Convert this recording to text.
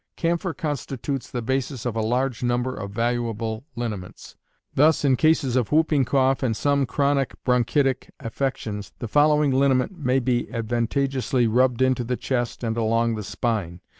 Camphor constitutes the basis of a large number of valuable liniments. Thus, in cases of whooping cough and some chronic bronchitic affections, the following liniment may be advantageously rubbed into the chest and along the spine.